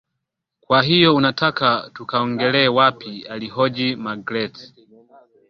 Kwahiyo unataka tukaongelee wapi Alihoji Magreth